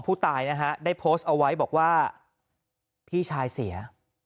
ผู้ตายนะฮะได้โพสต์เอาไว้บอกว่าพี่ชายเสีย